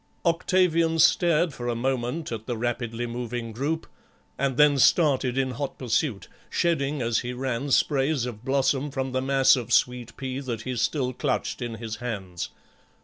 Octavian stared for a moment at the rapidly moving group, and then started in hot pursuit, shedding as he ran sprays of blossom from the mass of sweet pea that he still clutched in his hands.